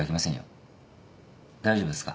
大丈夫ですか？